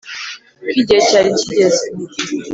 Ko igihe cyari kigeze